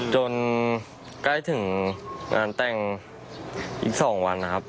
จนใกล้ถึงงานแต่งอีกสองวัน